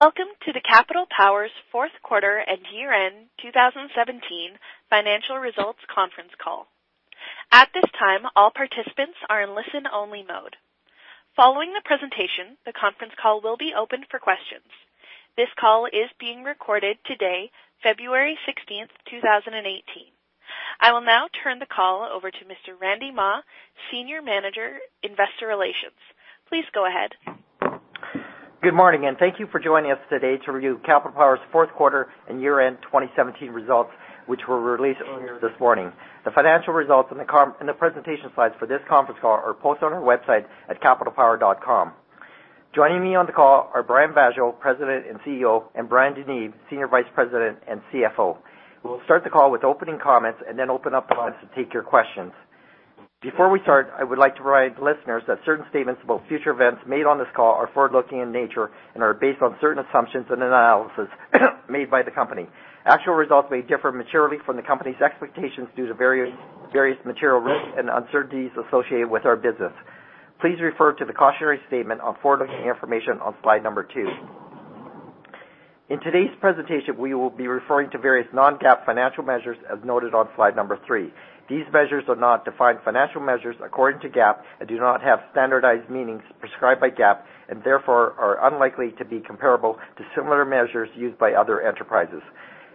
Welcome to the Capital Power's fourth quarter and year-end 2017 financial results conference call. At this time, all participants are in listen-only mode. Following the presentation, the conference call will be opened for questions. This call is being recorded today, February 16th, 2018. I will now turn the call over to Mr. Randy Mah, Senior Manager, Investor Relations. Please go ahead. Good morning. Thank you for joining us today to review Capital Power's fourth quarter and year-end 2017 results, which were released earlier this morning. The financial results and the presentation slides for this conference call are posted on our website at capitalpower.com. Joining me on the call are Brian Vaasjo, President and CEO, and Bryan DeNeve, Senior Vice President and CFO. We'll start the call with opening comments and then open up the lines to take your questions. Before we start, I would like to remind listeners that certain statements about future events made on this call are forward-looking in nature and are based on certain assumptions and an analysis made by the Company. Actual results may differ materially from the Company's expectations due to various material risks and uncertainties associated with our business. Please refer to the cautionary statement on forward-looking information on slide number two. In today's presentation, we will be referring to various non-GAAP financial measures as noted on slide number three. These measures are not defined financial measures according to GAAP and do not have standardized meanings prescribed by GAAP and therefore are unlikely to be comparable to similar measures used by other enterprises.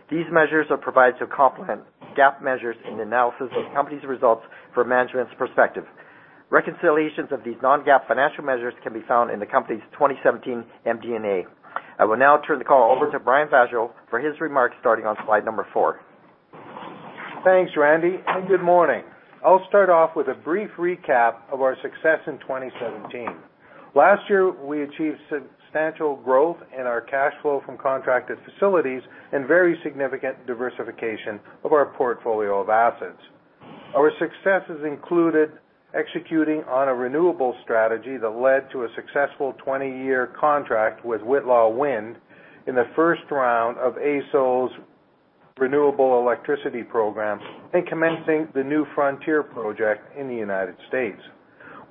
These measures are provided to complement GAAP measures in analysis of the Company's results from management's perspective. Reconciliations of these non-GAAP financial measures can be found in the Company's 2017 MD&A. I will now turn the call over to Brian Vaasjo for his remarks, starting on slide number four. Thanks, Randy, and good morning. I'll start off with a brief recap of our success in 2017. Last year, we achieved substantial growth in our cash flow from contracted facilities and very significant diversification of our portfolio of assets. Our successes included executing on a renewable strategy that led to a successful 20-year contract with Whitla Wind in the first round of AESO's Renewable Electricity Program and commencing the New Frontier project in the United States.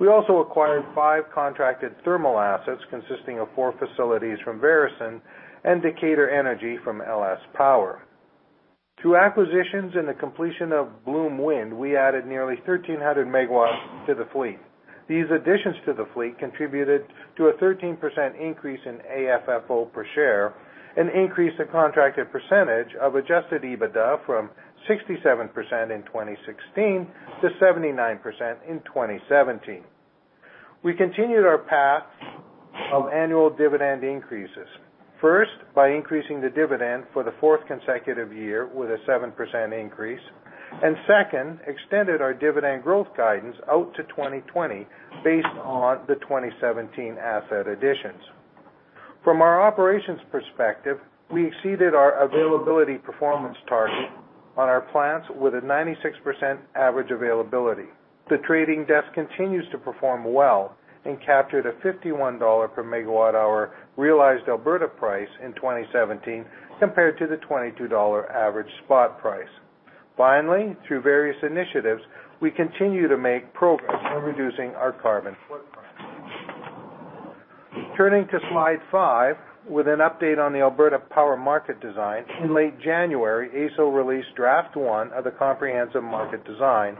We also acquired five contracted thermal assets consisting of four facilities from Veresen and Decatur Energy from LS Power. Through acquisitions and the completion of Bloom Wind, we added nearly 1,300 MW to the fleet. These additions to the fleet contributed to a 13% increase in AFFO per share and increased the contracted percentage of adjusted EBITDA from 67% in 2016 to 79% in 2017. We continued our path of annual dividend increases, first, by increasing the dividend for the fourth consecutive year with a 7% increase and second, extended our dividend growth guidance out to 2020 based on the 2017 asset additions. From our operations perspective, we exceeded our availability performance target on our plants with a 96% average availability. The trading desk continues to perform well and captured a 51 dollar per MWh realized Alberta price in 2017 compared to the 22 dollar average spot price. Finally, through various initiatives, we continue to make progress in reducing our carbon footprint. Turning to slide five with an update on the Alberta power market design. In late January, AESO released Draft One of the comprehensive market design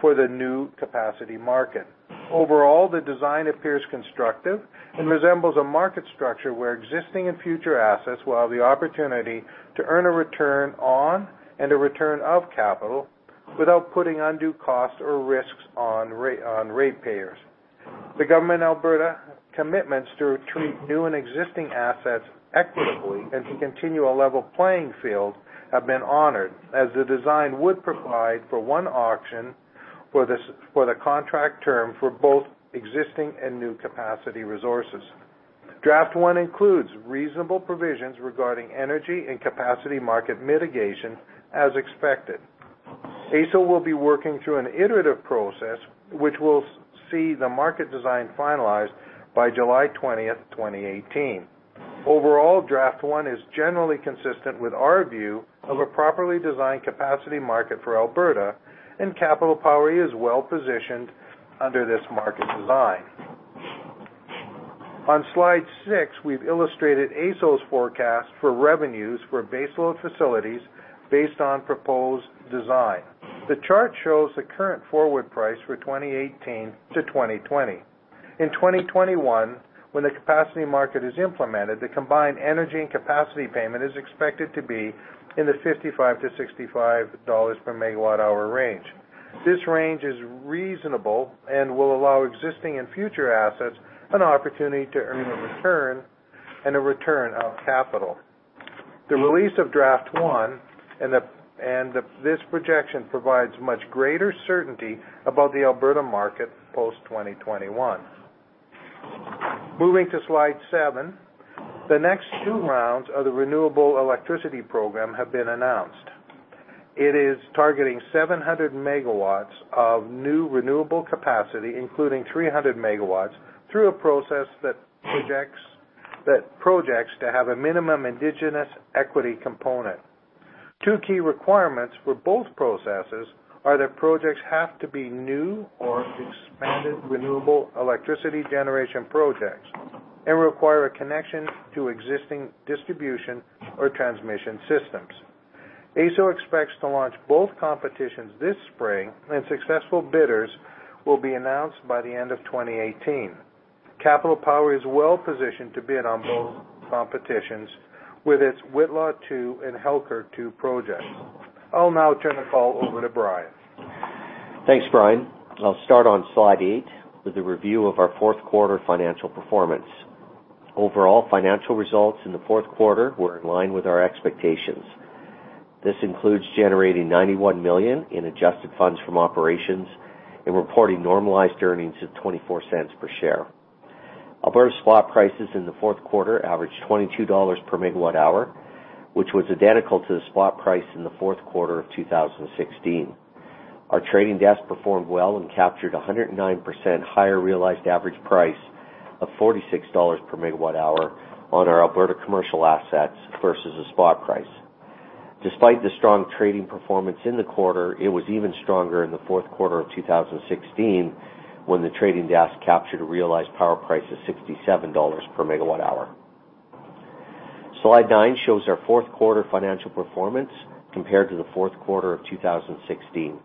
for the new capacity market. Overall, the design appears constructive and resembles a market structure where existing and future assets will have the opportunity to earn a return on and a return of capital without putting undue costs or risks on ratepayers. The Government Alberta commitments to treat new and existing assets equitably and to continue a level playing field have been honored as the design would provide for one auction for the contract term for both existing and new capacity resources. Draft One includes reasonable provisions regarding energy and capacity market mitigation as expected. AESO will be working through an iterative process which will see the market design finalized by July 20th, 2018. Overall, Draft One is generally consistent with our view of a properly designed capacity market for Alberta, and Capital Power is well-positioned under this market design. On slide six, we've illustrated AESO's forecast for revenues for baseload facilities based on proposed design. The chart shows the current forward price for 2018-2020. In 2021, when the capacity market is implemented, the combined energy and capacity payment is expected to be in the 55-65 dollars per MWh range. This range is reasonable and will allow existing and future assets an opportunity to earn a return and a return of capital. The release of Draft One and this projection provides much greater certainty about the Alberta market post-2021. Moving to slide seven. The next two rounds of the Renewable Electricity Program have been announced. It is targeting 700 MW of new renewable capacity, including 300 MW through a process that projects to have a minimum Indigenous equity component. Two key requirements for both processes are that projects have to be new or expanded renewable electricity generation projects and require a connection to existing distribution or transmission systems. AESO expects to launch both competitions this spring, and successful bidders will be announced by the end of 2018. Capital Power is well-positioned to bid on both competitions with its Whitla 2 and Halkirk 2 projects. I'll now turn the call over to Bryan. Thanks, Brian. I'll start on slide eight with a review of our fourth quarter financial performance. Overall, financial results in the fourth quarter were in line with our expectations. This includes generating 91 million in adjusted funds from operations and reporting normalized earnings of 0.24 Per share. Alberta spot prices in the fourth quarter averaged 0.22 dollars per MWh, which was identical to the spot price in the fourth quarter of 2016. Our trading desk performed well and captured 109% higher realized average price of 46 dollars per MWh on our Alberta commercial assets versus the spot price. Despite the strong trading performance in the quarter, it was even stronger in the fourth quarter of 2016, when the trading desk captured a realized power price of 67 dollars per MWh. Slide nine shows our fourth quarter financial performance compared to the fourth quarter of 2016.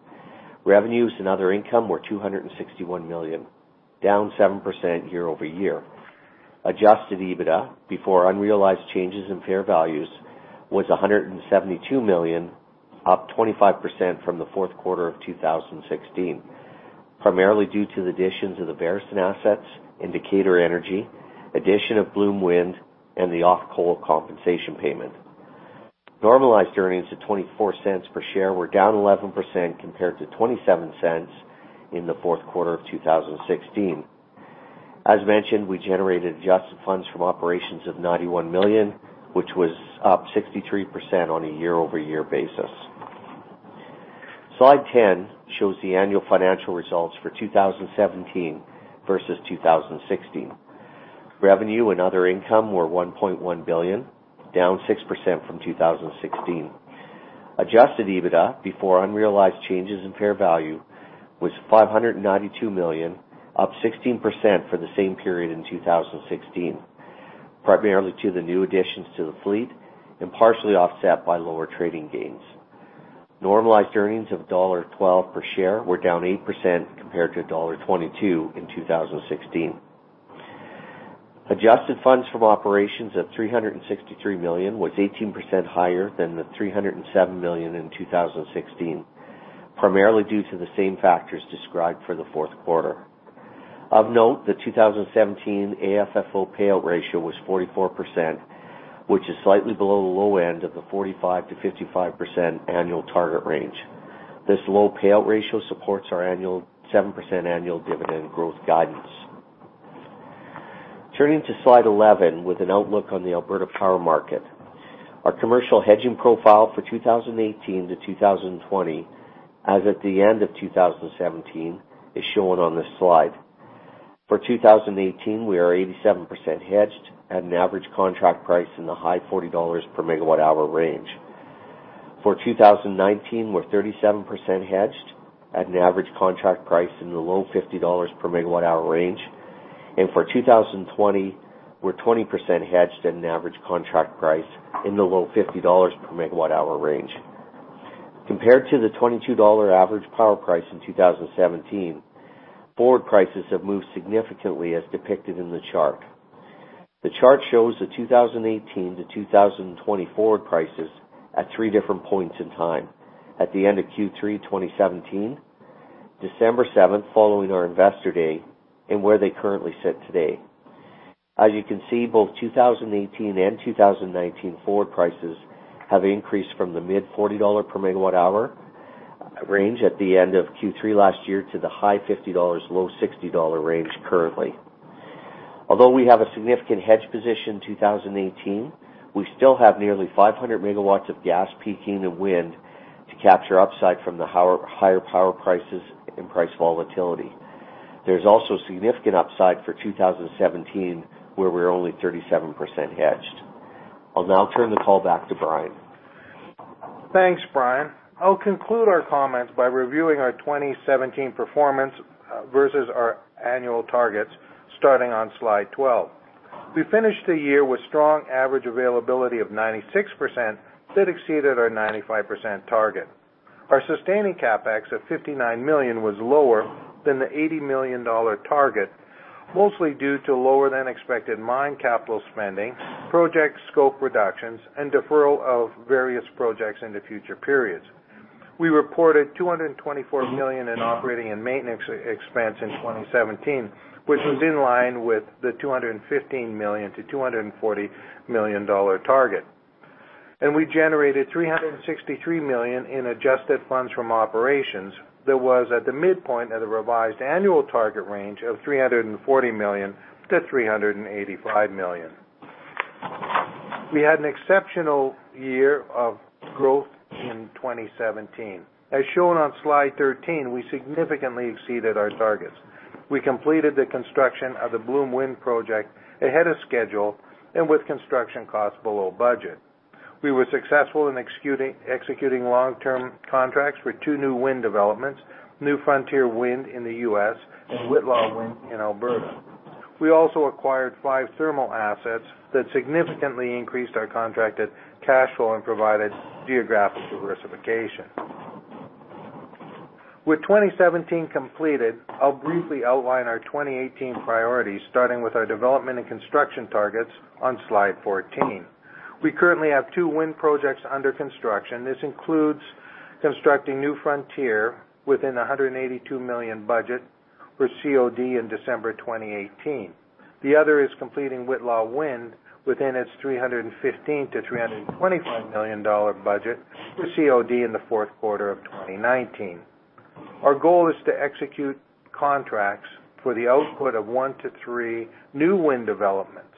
Revenues and other income were 261 million, down 7% year-over-year. Adjusted EBITDA before unrealized changes in fair values was 172 million, up 25% from the fourth quarter of 2016, primarily due to the additions of the Veresen assets and Decatur Energy, addition of Bloom Wind, and the off-coal compensation payment. Normalized earnings of 0.24 per share were down 11% compared to 0.27 in the fourth quarter of 2016. As mentioned, we generated adjusted funds from operations of 91 million, which was up 63% on a year-over-year basis. Slide 10 shows the annual financial results for 2017 versus 2016. Revenue and other income were 1.1 billion, down 6% from 2016. Adjusted EBITDA before unrealized changes in fair value was 592 million, up 16% for the same period in 2016, primarily to the new additions to the fleet and partially offset by lower trading gains. Normalized Earnings of dollar 1.12 per share were down 8% compared to dollar 1.22 in 2016. Adjusted Funds from Operations of 363 million was 18% higher than the 307 million in 2016, primarily due to the same factors described for the fourth quarter. Of note, the 2017 AFFO Payout Ratio was 44%, which is slightly below the low end of the 45%-55% annual target range. This low payout ratio supports our 7% annual dividend growth guidance. Turning to slide 11 with an outlook on the Alberta power market. Our commercial hedging profile for 2018-2020, as at the end of 2017, is shown on this slide. For 2018, we are 87% hedged at an average contract price in the high 40 dollars per MWh range. For 2019, we're 37% hedged at an average contract price in the low 50 dollars per MWh range. For 2020, we're 20% hedged at an average contract price in the low 50 dollars per MWh range. Compared to the 22 dollar average power price in 2017, forward prices have moved significantly as depicted in the chart. The chart shows the 2018-2024 prices at three different points in time. At the end of Q3 2017, December 7th following our Investor Day, and where they currently sit today. As you can see, both 2018 and 2019 forward prices have increased from the mid CAD 40 per MWh range at the end of Q3 last year to the high CAD 50-low CAD 60 range currently. Although we have a significant hedge position in 2018, we still have nearly 500 MW of gas peaking and wind to capture upside from the higher power prices and price volatility. There's also significant upside for 2017, where we're only 37% hedged. I'll now turn the call back to Brian. Thanks, Bryan. I'll conclude our comments by reviewing our 2017 performance versus our annual targets, starting on slide 12. We finished the year with strong average availability of 96% that exceeded our 95% target. Our sustaining CapEx of 59 million was lower than the 80 million dollar target, mostly due to lower-than-expected mine capital spending, project scope reductions, and deferral of various projects into future periods. We reported 224 million in operating and maintenance expense in 2017, which was in line with the 215 million-240 million dollar target. We generated 363 million in adjusted funds from operations that was at the midpoint of the revised annual target range of 340 million-385 million. We had an exceptional year of growth 2017. As shown on slide 13, we significantly exceeded our targets. We completed the construction of the Bloom Wind project ahead of schedule and with construction costs below budget. We were successful in executing long-term contracts for two new wind developments, New Frontier Wind in the U.S. and Whitla Wind in Alberta. We also acquired five thermal assets that significantly increased our contracted cash flow and provided geographic diversification. With 2017 completed, I'll briefly outline our 2018 priorities, starting with our development and construction targets on Slide 14. We currently have two wind projects under construction. This includes constructing New Frontier within 182 million budget with COD in December 2018. The other is completing Whitla Wind within its 315 million-325 million dollar budget with COD in the fourth quarter of 2019. Our goal is to execute contracts for the output of one to three new wind developments.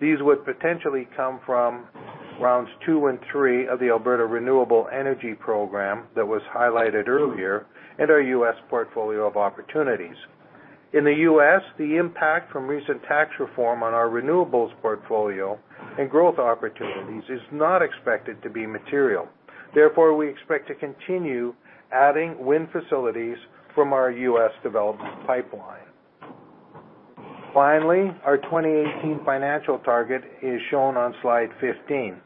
These would potentially come from rounds two and three of the Alberta Renewable Energy Program that was highlighted earlier in our U.S. portfolio of opportunities. In the U.S., the impact from recent tax reform on our renewables portfolio and growth opportunities is not expected to be material. Therefore, we expect to continue adding wind facilities from our U.S. development pipeline. Finally, our 2018 financial target is shown on slide 15.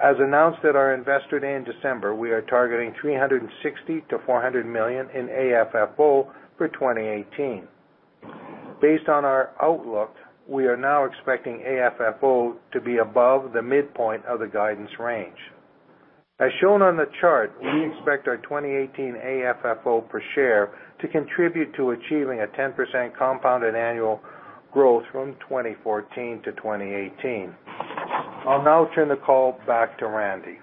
As announced at our Investor Day in December, we are targeting 360 million-400 million in AFFO for 2018. Based on our outlook, we are now expecting AFFO to be above the midpoint of the guidance range. As shown on the chart, we expect our 2018 AFFO per share to contribute to achieving a 10% compounded annual growth from 2014-2018. I'll now turn the call back to Randy.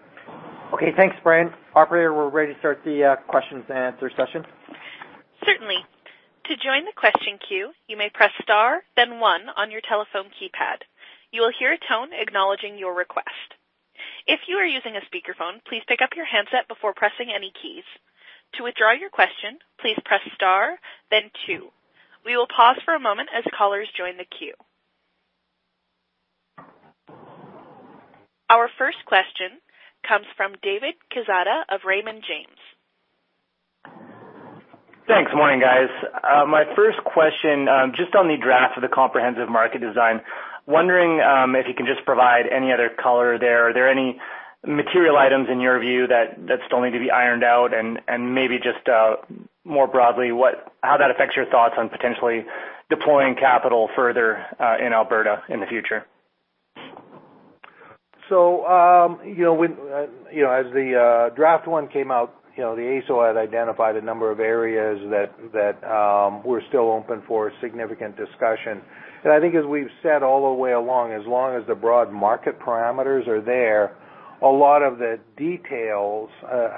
Okay. Thanks, Brian. Operator, we're ready to start the questions and answer session. Certainly. To join the question queue, you may press star then one on your telephone keypad. You will hear a tone acknowledging your request. If you are using a speakerphone, please pick up your handset before pressing any keys. To withdraw your question, please press star then two. We will pause for a moment as callers join the queue. Our first question comes from David Quezada of Raymond James. Thanks. Morning, guys. My first question, just on the draft of the comprehensive market design, wondering if you can just provide any other color there? Are there any material items in your view that still need to be ironed out? Maybe just more broadly, how that affects your thoughts on potentially deploying capital further in Alberta in the future? As the draft one came out, the AESO had identified a number of areas that were still open for significant discussion. I think as we've said all the way along, as long as the broad market parameters are there, a lot of the details,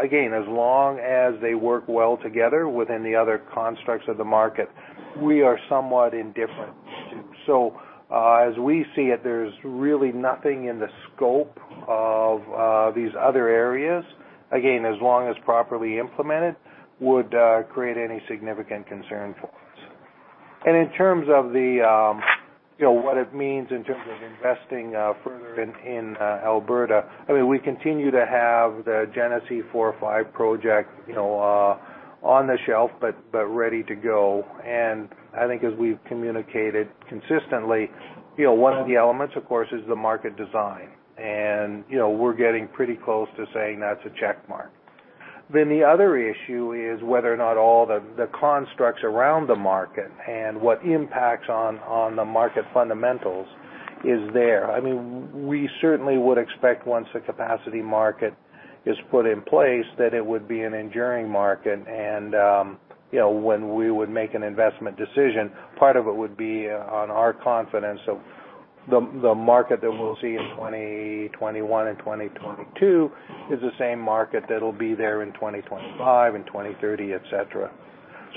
again, as long as they work well together within the other constructs of the market, we are somewhat indifferent. As we see it, there's really nothing in the scope of these other areas, again, as long as properly implemented, would create any significant concern for us. In terms of what it means in terms of investing further in Alberta, we continue to have the Genesee 4, Genesee 5 project on the shelf, but ready to go. I think as we've communicated consistently, one of the elements, of course, is the market design. We're getting pretty close to saying that's a check mark. The other issue is whether or not all the constructs around the market and what impacts on the market fundamentals is there. We certainly would expect once the capacity market is put in place, that it would be an enduring market. When we would make an investment decision, part of it would be on our confidence of the market that we'll see in 2021 and 2022 is the same market that'll be there in 2025 and 2030, et cetera.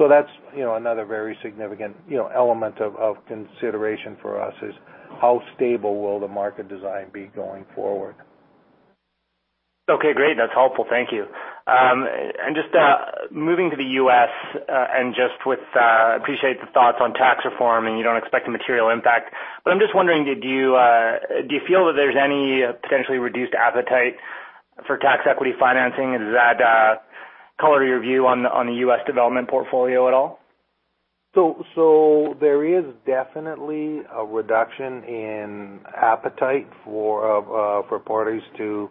That's another very significant element of consideration for us is how stable will the market design be going forward. Okay, great. That's helpful. Thank you. Just moving to the U.S., I just appreciate the thoughts on tax reform, and you don't expect a material impact. I'm just wondering, do you feel that there's any potentially reduced appetite for tax equity financing? Does that color your view on the U.S. development portfolio at all? There is definitely a reduction in appetite for parties to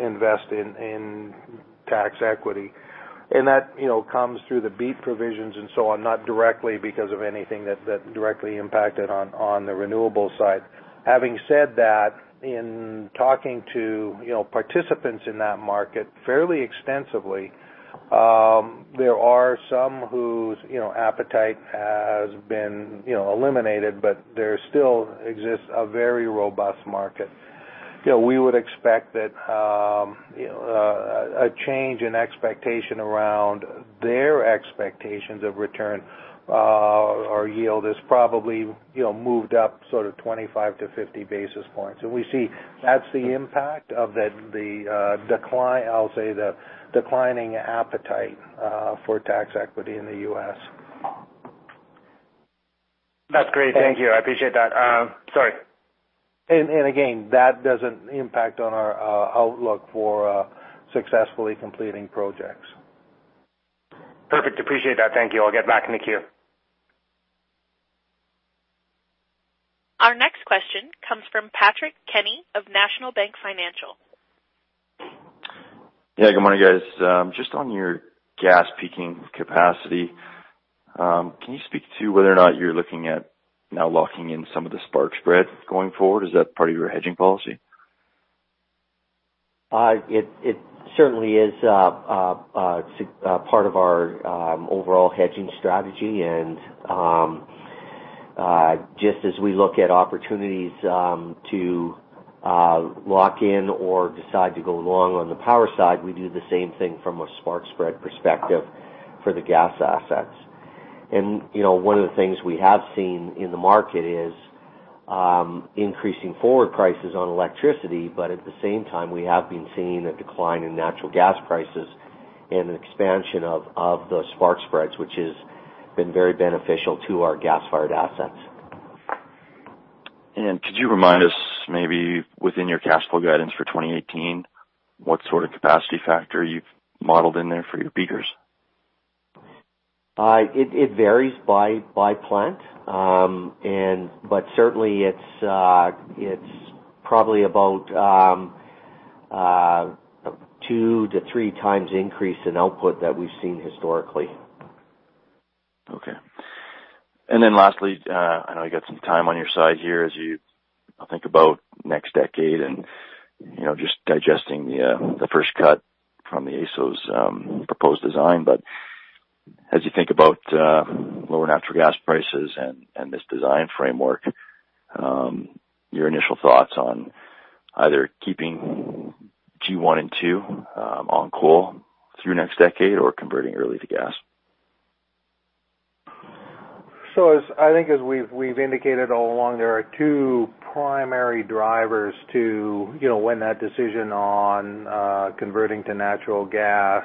invest in tax equity. That comes through the BEAT provisions and so on, not directly because of anything that directly impacted on the renewables side. Having said that, in talking to participants in that market fairly extensively, there are some whose appetite has been eliminated, but there still exists a very robust market. We would expect that a change in expectation around their expectations of return or yield is probably moved up sort of 25 basis points-50 basis points. We see that's the impact of, I'll say, the declining appetite for tax equity in the U.S. That's great. Thank you. I appreciate that. Sorry. Again, that doesn't impact on our outlook for successfully completing projects. Perfect. I appreciate that. Thank you. I'll get back in the queue. Our next question comes from Patrick Kenny of National Bank Financial. Yeah, good morning, guys. Just on your gas peaking capacity, can you speak to whether or not you're looking at now locking in some of the spark spread going forward? Is that part of your hedging policy? It certainly is part of our overall hedging strategy. Just as we look at opportunities to lock in or decide to go long on the power side, we do the same thing from a spark spread perspective for the gas assets. One of the things we have seen in the market is increasing forward prices on electricity. At the same time, we have been seeing a decline in natural gas prices and an expansion of the spark spreads, which has been very beneficial to our gas-fired assets. Could you remind us maybe within your cash flow guidance for 2018, what sort of capacity factor you've modeled in there for your peakers? It varies by plant. Certainly it's probably about 2x-3x increase in output that we've seen historically. Okay. Lastly, I know you got some time on your side here as you think about next decade and just digesting the first cut from the AESO proposed design. As you think about lower natural gas prices and this design framework, your initial thoughts on either keeping G1 and 2 on coal through next decade or converting early to gas? I think as we've indicated all along, there are two primary drivers to when that decision on converting to natural gas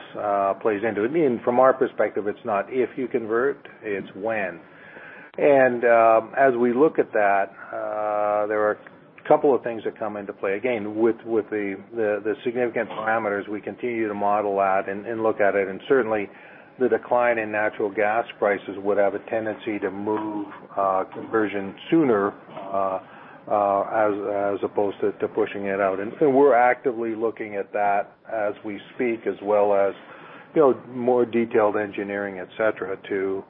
plays into it. From our perspective, it's not if you convert, it's when. As we look at that, there are a couple of things that come into play. Again, with the significant parameters we continue to model at and look at it, and certainly the decline in natural gas prices would have a tendency to move conversion sooner, as opposed to pushing it out. We're actively looking at that as we speak, as well as more detailed engineering, et cetera, to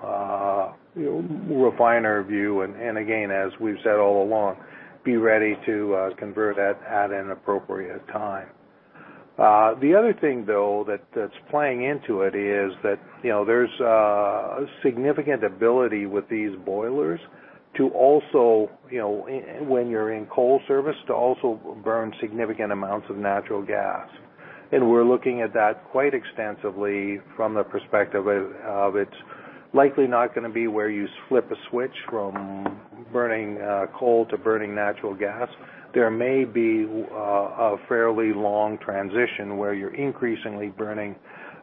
refine our view and again, as we've said all along, be ready to convert at an appropriate time. The other thing, though, that's playing into it is that there's a significant ability with these boilers to also, when you're in coal service, to also burn significant amounts of natural gas. We're looking at that quite extensively from the perspective of it's likely not going to be where you flip a switch from burning coal to burning natural gas. There may be a fairly long transition where you're increasingly burning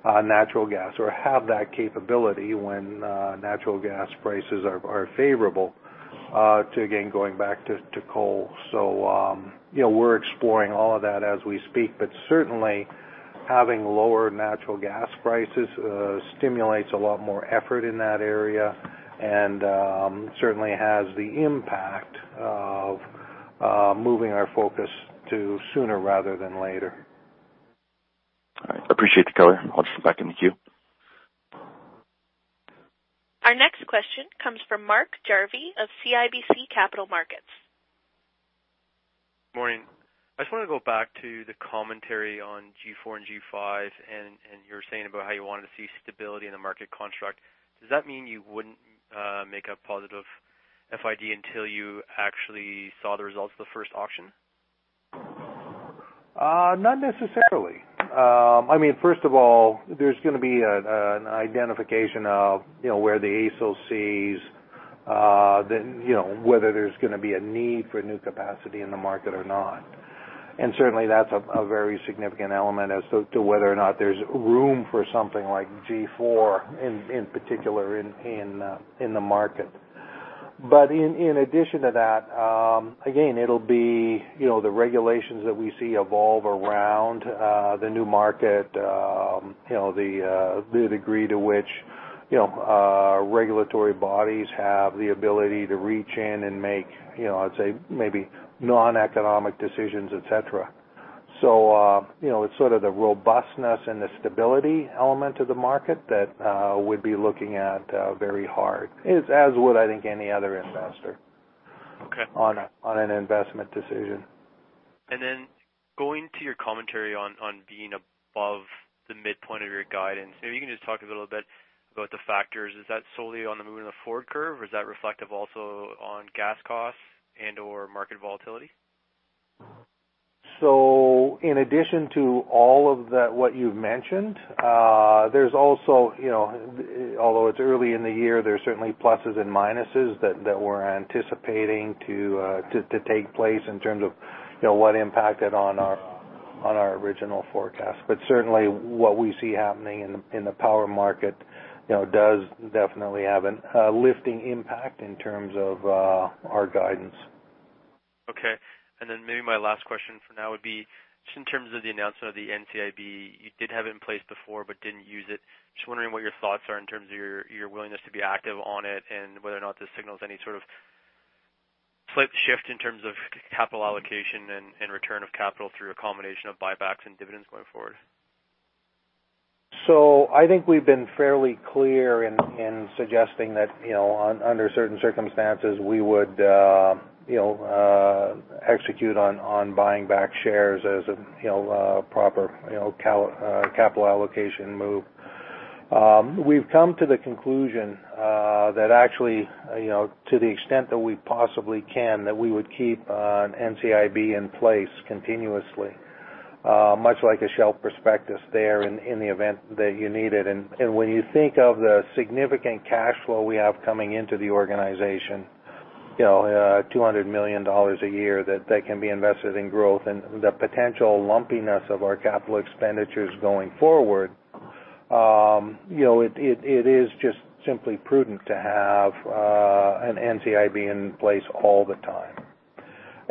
natural gas or have that capability when natural gas prices are favorable to, again, going back to coal. We're exploring all of that as we speak. Certainly having lower natural gas prices stimulates a lot more effort in that area and certainly has the impact of moving our focus to sooner rather than later. All right. I appreciate the color. I'll just step back in the queue. Our next question comes from Mark Jarvi of CIBC Capital Markets. Morning. I just want to go back to the commentary on G4 and G5, and you were saying about how you wanted to see stability in the market construct. Does that mean you wouldn't make a positive FID until you actually saw the results of the first auction? Not necessarily. First of all, there's going to be an identification of where the AESO sees whether there's going to be a need for new capacity in the market or not. Certainly that's a very significant element as to whether or not there's room for something like G4, in particular, in the market. In addition to that, again, it'll be the regulations that we see evolve around the new market, the degree to which regulatory bodies have the ability to reach in and make, I'd say, maybe non-economic decisions, et cetera. It's sort of the robustness and the stability element of the market that we'd be looking at very hard, as would, I think, any other investor. Okay On an investment decision. Going to your commentary on being above the midpoint of your guidance, maybe you can just talk a little bit about the factors. Is that solely on the movement of the forward curve, or is that reflective also on gas costs and/or market volatility? In addition to all of what you've mentioned, although it's early in the year, there's certainly pluses and minuses that we're anticipating to take place in terms of what impacted on our original forecast. Certainly what we see happening in the power market does definitely have a lifting impact in terms of our guidance. Okay. Maybe my last question for now would be just in terms of the announcement of the NCIB. You did have it in place before but didn't use it. Just wondering what your thoughts are in terms of your willingness to be active on it and whether or not this signals any sort of slight shift in terms of capital allocation and return of capital through a combination of buybacks and dividends going forward. I think we've been fairly clear in suggesting that under certain circumstances, we would execute on buying back shares as a proper capital allocation move. We've come to the conclusion that actually, to the extent that we possibly can, that we would keep an NCIB in place continuously, much like a shelf prospectus there in the event that you need it. When you think of the significant cash flow we have coming into the organization, 200 million dollars a year, that can be invested in growth and the potential lumpiness of our capital expenditures going forward, it is just simply prudent to have an NCIB in place all the time.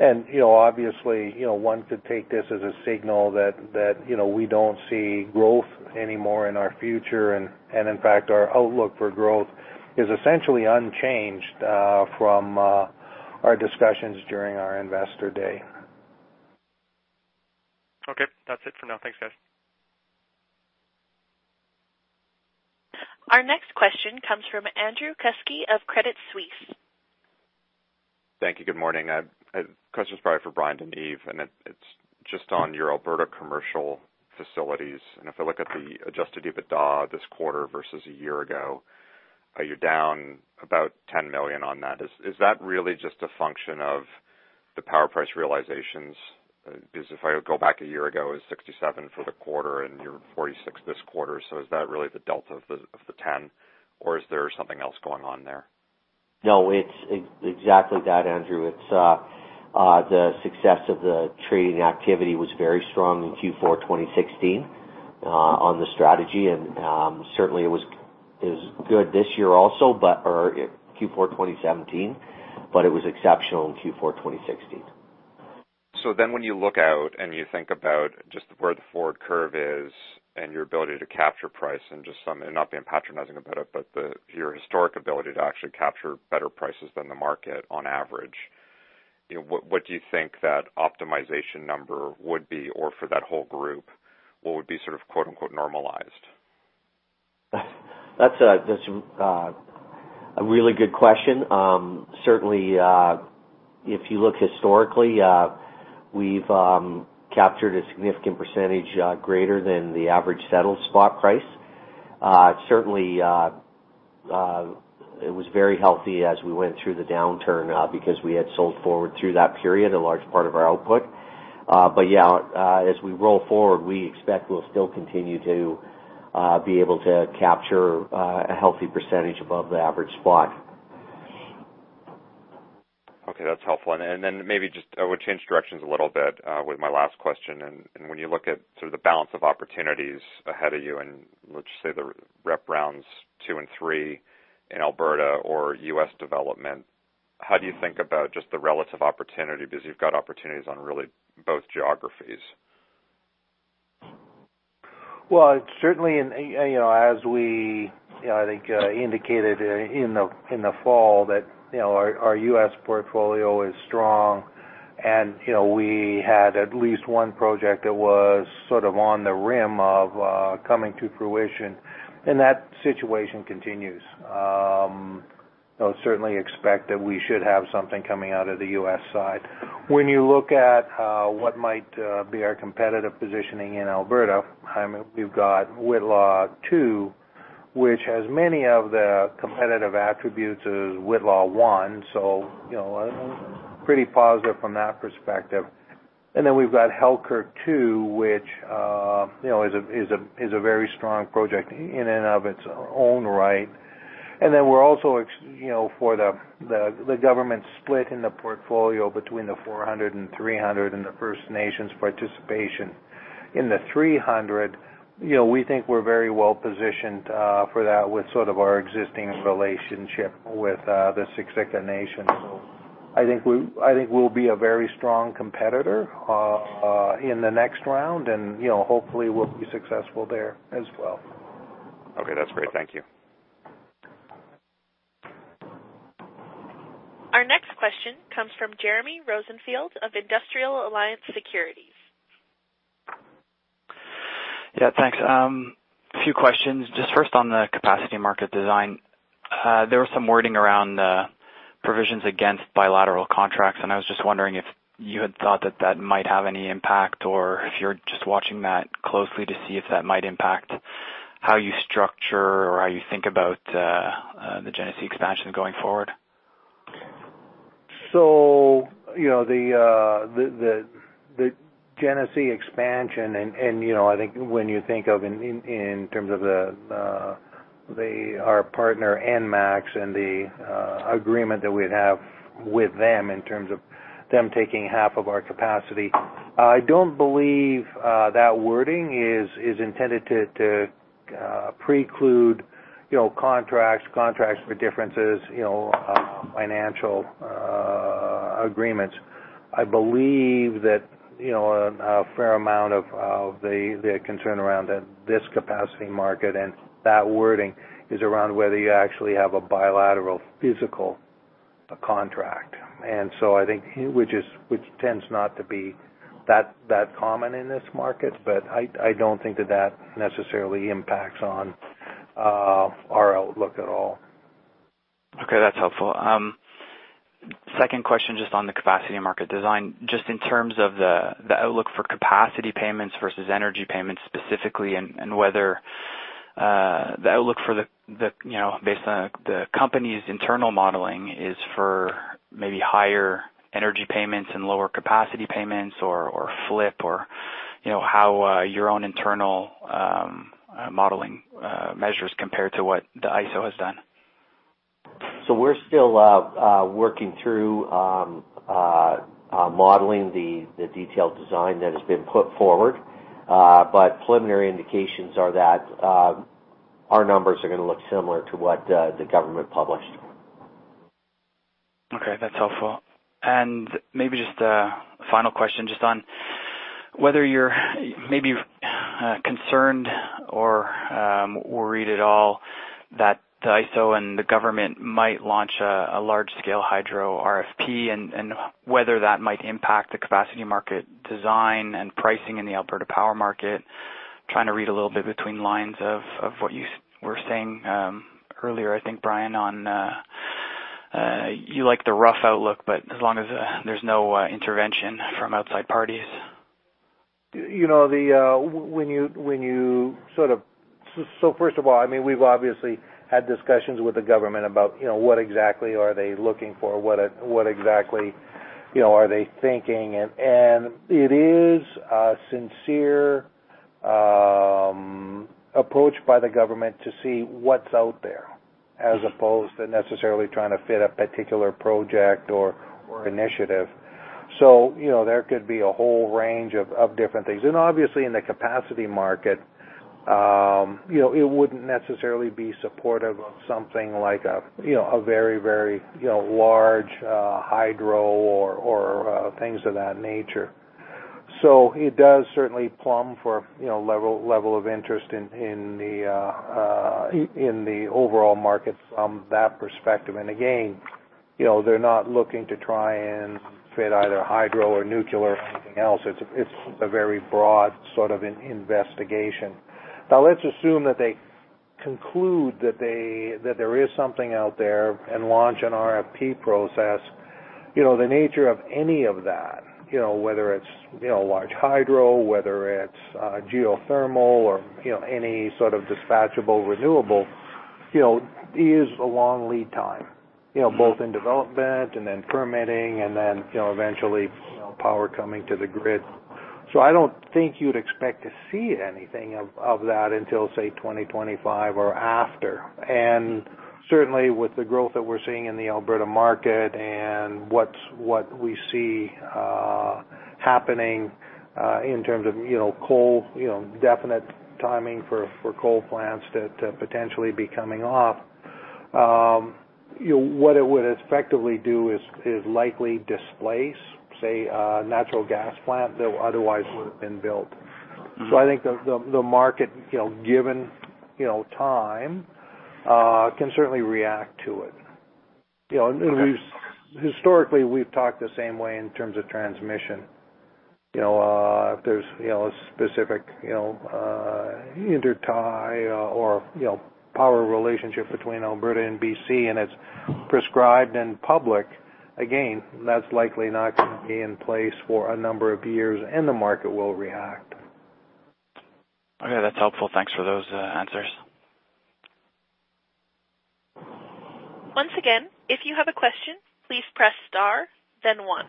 Obviously, one could take this as a signal that we don't see growth anymore in our future, and in fact, our outlook for growth is essentially unchanged from our discussions during our Investor Day. Okay. That's it for now. Thanks, guys. Our next question comes from Andrew Kuske of Credit Suisse. Thank you. Good morning. The question is probably for Brian DeNeve, and it's just on your Alberta commercial facilities. If I look at the adjusted EBITDA this quarter versus a year ago, you're down about 10 million on that. Is that really just a function of the power price realizations? Because if I go back a year ago, it was 67 for the quarter, and you're 46 this quarter. Is that really the delta of the 10, or is there something else going on there? No, it's exactly that, Andrew. It's the success of the trading activity was very strong in Q4 2016 on the strategy, and certainly it was good this year also, or Q4 2017, but it was exceptional in Q4 2016. When you look out and you think about just where the forward curve is and your ability to capture price and just some, and not being patronizing about it, but your historic ability to actually capture better prices than the market on average, what do you think that optimization number would be? For that whole group, what would be sort of, quote-unquote, normalized? That's a really good question. Certainly, if you look historically, we've captured a significant percentage greater than the average settled spot price. Certainly, it was very healthy as we went through the downturn because we had sold forward through that period, a large part of our output. Yeah, as we roll forward, we expect we'll still continue to be able to capture a healthy percentage above the average spot. Okay, that's helpful. Maybe just I would change directions a little bit with my last question. When you look at sort of the balance of opportunities ahead of you, and let's say the REP rounds two and three in Alberta or U.S. development, how do you think about just the relative opportunity, because you've got opportunities on really both geographies? Well, certainly, as we, I think, indicated in the fall that our U.S. portfolio is strong, and we had at least one project that was sort of on the rim of coming to fruition, and that situation continues. I would certainly expect that we should have something coming out of the U.S. side. When you look at what might be our competitive positioning in Alberta, we've got Whitla 2, which has many of the competitive attributes of Whitla 1, so pretty positive from that perspective. We've got Halkirk 2, which is a very strong project in and of its own right. We're also for the government split in the portfolio between the 400 and 300 and the First Nations participation. In the 300, we think we're very well-positioned for that with sort of our existing relationship with the Siksika Nation. I think we'll be a very strong competitor in the next round, and hopefully, we'll be successful there as well. Okay, that's great. Thank you. Our next question comes from Jeremy Rosenfield of Industrial Alliance Securities. Yeah, thanks. A few questions. Just first on the capacity market design, there was some wording around provisions against bilateral contracts, and I was just wondering if you had thought that that might have any impact, or if you're just watching that closely to see if that might impact how you structure or how you think about the Genesee expansion going forward. The Genesee Expansion, and I think when you think of in terms of our partner ENMAX and the agreement that we'd have with them in terms of them taking half of our capacity, I don't believe that wording is intended to preclude contracts for differences, financial agreements. I believe that a fair amount of the concern around this capacity market and that wording is around whether you actually have a bilateral physical contract, which tends not to be that common in this market, but I don't think that that necessarily impacts on our outlook at all. Okay, that's helpful. Second question just on the capacity market design, just in terms of the outlook for capacity payments versus energy payments specifically, and whether the outlook based on the company's internal modeling is for maybe higher energy payments and lower capacity payments or flip, or how your own internal modeling measures compare to what the AESO has done? We're still working through modeling the detailed design that has been put forward. Preliminary indications are that our numbers are going to look similar to what the government published. Okay, that's helpful. Maybe just a final question just on whether you're maybe concerned or worried at all that the AESO and the government might launch a large-scale hydro RFP and whether that might impact the capacity market design and pricing in the Alberta power market. Trying to read a little bit between lines of what you were saying earlier, I think, Brian, you like the growth outlook, but as long as there's no intervention from outside parties. First of all, we've obviously had discussions with the government about what exactly are they looking for, what exactly are they thinking. It is a sincere approach by the government to see what's out there as opposed to necessarily trying to fit a particular project or initiative. There could be a whole range of different things. Obviously, in the capacity market, it wouldn't necessarily be supportive of something like a very large hydro or things of that nature. It does certainly plumb for level of interest in the overall market from that perspective. Again, they're not looking to try and fit either hydro or nuclear or anything else. It's a very broad sort of investigation. Now, let's assume that they conclude that there is something out there and launch an RFP process. The nature of any of that, whether it's large hydro, whether it's geothermal or any sort of dispatchable renewable, is a long lead time, both in development and then permitting and then eventually power coming to the grid. I don't think you'd expect to see anything of that until, say, 2025 or after. Certainly with the growth that we're seeing in the Alberta market and what we see happening in terms of definite timing for coal plants that potentially be coming off, what it would effectively do is likely displace, say, a natural gas plant that otherwise would have been built. I think the market, given time, can certainly react to it. Okay. Historically, we've talked the same way in terms of transmission. If there's a specific intertie or power relationship between Alberta and B.C., and it's prescribed and public, again, that's likely not going to be in place for a number of years, and the market will react. Okay, that's helpful. Thanks for those answers. Once again, if you have a question, please press star, then one.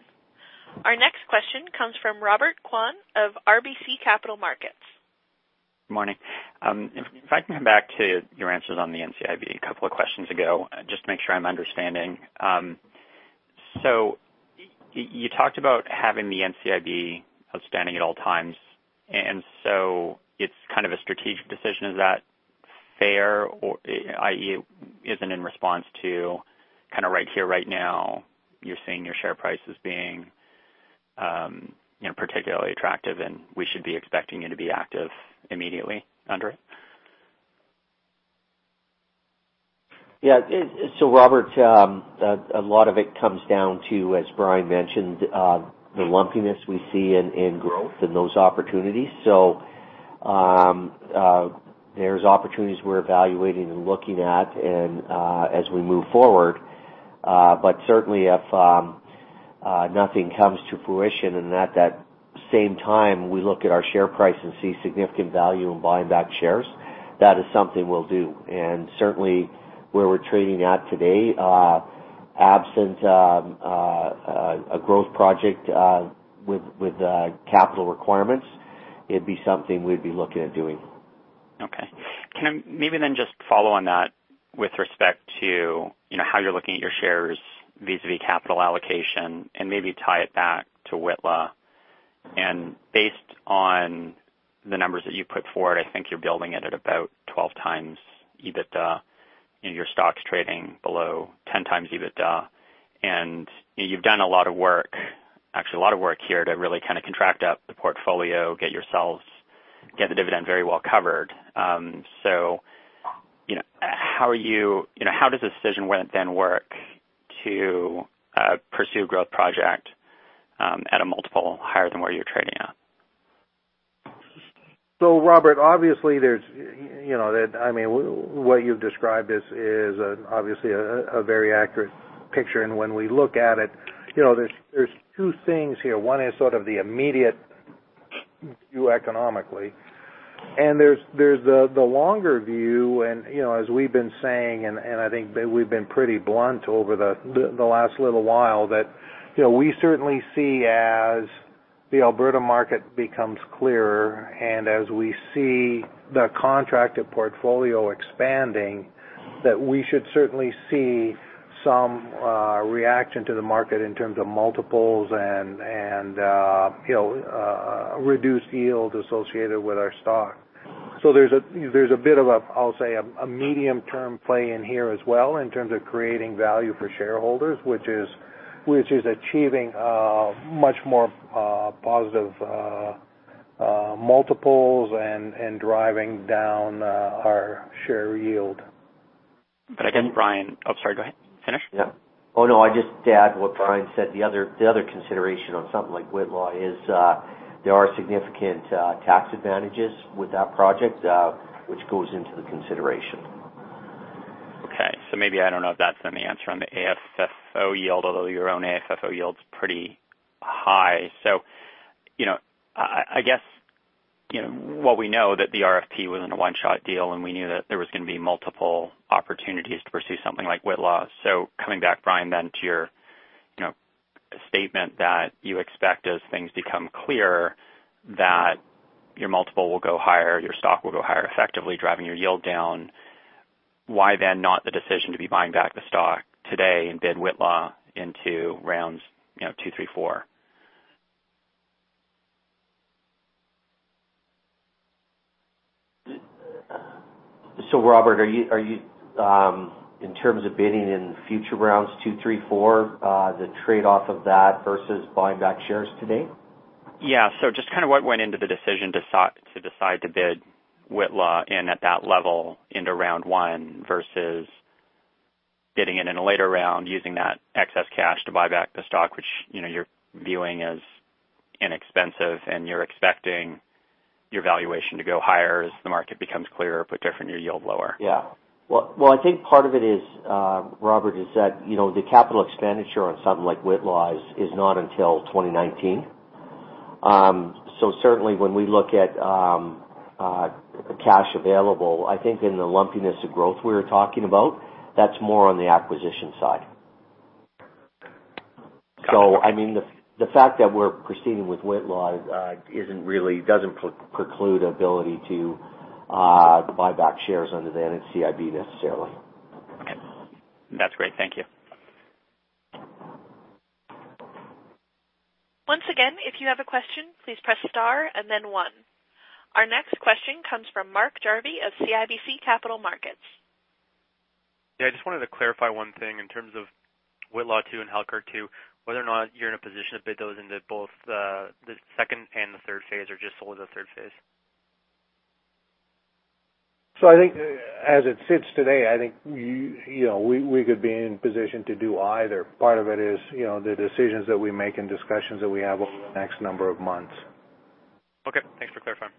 Our next question comes from Robert Kwan of RBC Capital Markets. Morning. If I can come back to your answers on the NCIB a couple of questions ago, just to make sure I'm understanding. You talked about having the NCIB outstanding at all times, and so it's kind of a strategic decision. Is that fair? I.e., isn't in response to kind of right here, right now, you're seeing your share prices being particularly attractive, and we should be expecting you to be active immediately under it? Yeah. Robert, a lot of it comes down to, as Brian mentioned, the lumpiness we see in growth and those opportunities. There's opportunities we're evaluating and looking at as we move forward. Certainly if nothing comes to fruition and at that same time, we look at our share price and see significant value in buying back shares, that is something we'll do. Certainly where we're trading at today, absent a growth project with capital requirements, it'd be something we'd be looking at doing. Okay. Can I maybe then just follow on that with respect to how you're looking at your shares vis-a-vis capital allocation and maybe tie it back to Whitla? Based on the numbers that you put forward, I think you're building it at about 12x EBITDA, and your stock's trading below 10x EBITDA. You've done a lot of work, actually, a lot of work here to really contract up the portfolio, get the dividend very well covered. How does the decision then work to pursue a growth project at a multiple higher than where you're trading at? Robert, obviously, what you've described is obviously a very accurate picture. When we look at it, there's two things here. One is sort of the immediate view economically, and there's the longer view. As we've been saying, and I think that we've been pretty blunt over the last little while, that we certainly see as the Alberta market becomes clearer and as we see the contracted portfolio expanding, that we should certainly see some reaction to the market in terms of multiples and reduced yield associated with our stock. There's a bit of, I'll say, a medium-term play in here as well in terms of creating value for shareholders, which is achieving a much more positive multiples and driving down our share yield. I think, Brian. Oh, sorry. Go ahead. Finish. Yeah. Oh, no, I'd just add what Brian said. The other consideration on something like Whitla is there are significant tax advantages with that project, which goes into the consideration. Okay. Maybe I don't know if that's an answer on the AFFO yield, although your own AFFO yield's pretty high. I guess what we know that the RFP wasn't a one-shot deal, and we knew that there was going to be multiple opportunities to pursue something like Whitla. Coming back, Brian, then to your statement that you expect, as things become clear, that your multiple will go higher, your stock will go higher, effectively driving your yield down. Why then not the decision to be buying back the stock today and bid Whitla into rounds two, three, four? So Robert, are you, in terms of bidding in future rounds, two, three, four, the trade-off of that versus buying back shares today? Yeah. Just kind of what went into the decision to decide to bid Whitla in at that level into Round one versus bidding it in a later round, using that excess cash to buy back the stock, which you're viewing as inexpensive, and you're expecting your valuation to go higher as the market becomes clearer, but therefore your yield lower? Yeah. Well, I think part of it is, Robert, is that the capital expenditure on something like Whitla is not until 2019. Certainly when we look at cash available, I think in the lumpiness of growth we were talking about, that's more on the acquisition side. The fact that we're proceeding with Whitla doesn't preclude ability to buy back shares under the NCIB necessarily. Okay. That's great. Thank you. Once again, if you have a question, please press star and then one. Our next question comes from Mark Jarvi of CIBC Capital Markets. Yeah, I just wanted to clarify one thing in terms of Whitla 2 and Halkirk 2, whether or not you're in a position to bid those into both the second and the third phase or just solely the third phase. I think as it sits today, I think we could be in position to do either. Part of it is the decisions that we make and discussions that we have over the next number of months. Okay. Thanks for clarifying.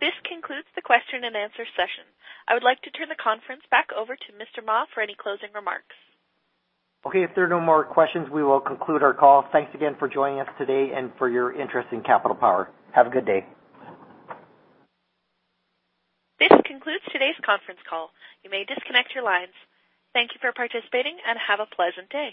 This concludes the question and answer session. I would like to turn the conference back over to Mr. Mah for any closing remarks. Okay. If there are no more questions, we will conclude our call. Thanks again for joining us today and for your interest in Capital Power. Have a good day. This concludes today's conference call. You may disconnect your lines. Thank you for participating and have a pleasant day.